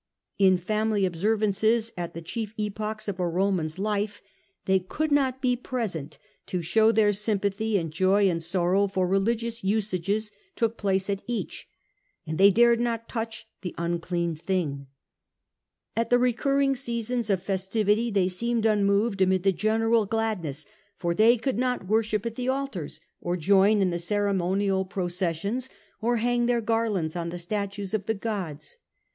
In the family observances at the chief epochs of a Roman's life they could not be present to show their sympathy in joy and sorrow, for religious usages took place at each, and they dared not touch the unclean thing. Ai the recurring seasons of festivity they seemed unmoved amid the general gladness, for they could not worship at the altars, or join in the ceremonial processions, or hang their garlands on the statues of the gods.